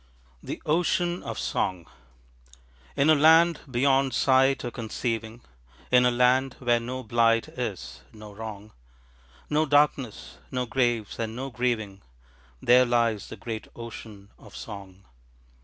THE OCEAN OF SONG In a land beyond sight or conceiving, In a land where no blight is, no wrong, No darkness, no graves, and no grieving, There lies the great ocean of song.